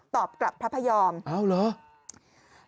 ตอบกลับพระพยอมอ้าวเหรอ